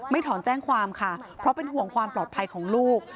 ถอนแจ้งความค่ะเพราะเป็นห่วงความปลอดภัยของลูก